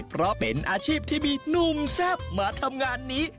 เพราะเป็นอาชีพที่มีหนุ่มแซ่บมาทำงานนี้